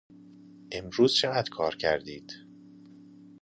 امروز چقدر کار کردید؟